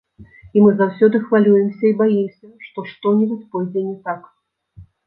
І мы заўсёды хвалюемся і баімся, што што-небудзь пойдзе не так.